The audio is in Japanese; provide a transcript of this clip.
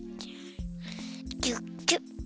ぎゅっぎゅっ。